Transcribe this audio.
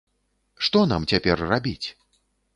Што нам цяпер рабіць?